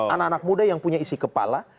anak anak muda yang punya isi kepala